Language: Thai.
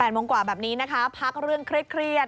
โมงกว่าแบบนี้นะคะพักเรื่องเครียด